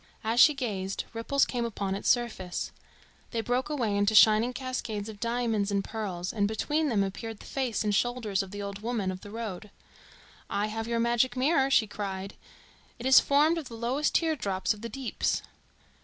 As she gazed, ripples came upon its surface. They broke away into shining cascades of diamonds and pearls, and between them appeared the face and shoulders of the old woman of the road. "I have your magic mirror," she cried. "It is formed of the lowest teardrops of the Deeps."